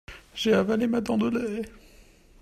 J'ai avalé ma dent de lait.